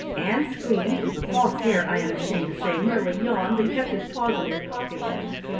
Ann screamed, the False Hare I am ashamed to say merely yawned and kept his paws in his pockets.